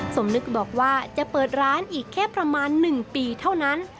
สมนึกบอกว่าจะเปิดร้านอีกแค่ประมาณ๑ปีเท่านั้น